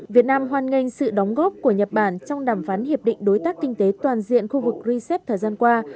việt nam hoan nghênh sự đóng góp của nhật bản trong đàm phán hiệp định đối tác kinh tế toàn diện khu vực rcep thời gian qua